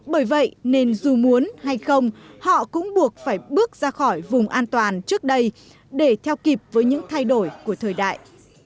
bởi vậy nên dù muốn hay không họ cũng buộc phải bước ra khỏi vùng an toàn trước đây để theo kịp với những thay đổi của thời đại